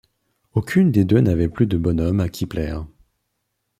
Aucune des deux n’avait plus de bonhomme à qui plaire.